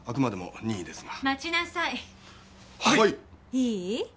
いい？